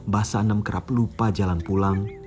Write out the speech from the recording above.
basanem kerap lupa jalan pulang